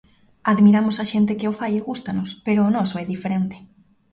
Admiramos a xente que o fai e gústanos, pero o noso é diferente.